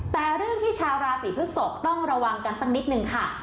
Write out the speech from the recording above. แต่เรื่องที่ชาวราศีพฤกษกต้องระวังกันสักนิดนึงค่ะ